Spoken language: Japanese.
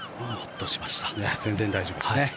全然大丈夫ですね。